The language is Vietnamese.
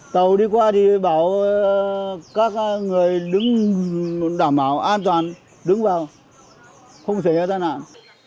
tàu đi qua thì bảo các người đứng đảm bảo an toàn đứng vào không xảy ra tai nạn